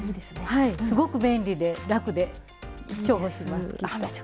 はいすごく便利で楽で重宝します。